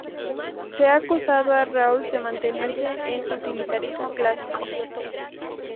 Se ha acusado a Rawls de mantenerse en el utilitarismo clásico.